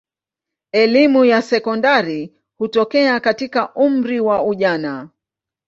Elimu ya sekondari hutokea katika umri wa ujana.